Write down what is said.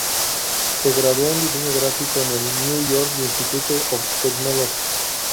Se graduó en Diseño gráfico en el New York Institute of Technology.